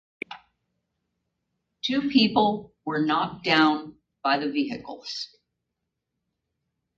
Two people were knocked down by the vehicles.